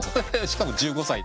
しかも１５歳。